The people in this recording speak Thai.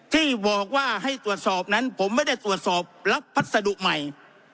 ที่บอกว่าให้ตรวจสอบนั้นผมไม่ได้ตรวจสอบรับพัสดุใหม่